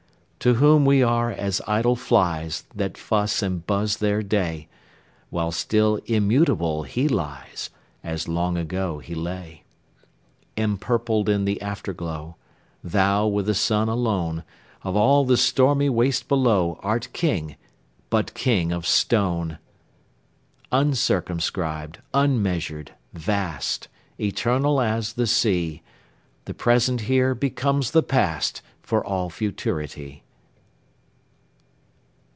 To whom we are as idle flies, That fuss and buzz their day; While still immutable he lies, As long ago he lay. Empurpled in the Afterglow, Thou, with the Sun alone, Of all the stormy waste below, Art King, but king of stone! Uncircumscribed, unmeasured, vast, Eternal as the Sea, The present here becomes the past, For all futurity.